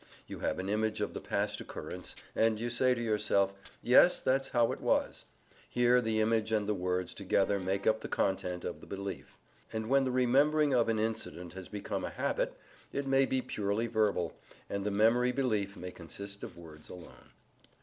You have an image of the past occurrence, and you say to yourself: "Yes, that's how it was." Here the image and the words together make up the content of the belief. And when the remembering of an incident has become a habit, it may be purely verbal, and the memory belief may consist of words alone.